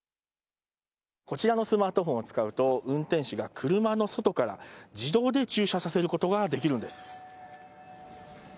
こちらのスマートフォンを使うと、運転手が車の外から、自動で駐車させることができるんです。